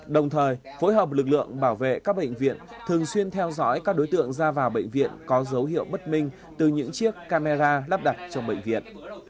đồng thời phối hợp lực lượng bảo vệ các bệnh viện thường xuyên theo dõi các đối tượng ra vào bệnh viện có dấu hiệu bất minh từ những chiếc camera lắp đặt trong bệnh viện